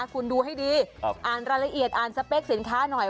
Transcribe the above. คุณดูให้ดีอ่านรายละเอียดอ่านสเปคสินค้าหน่อย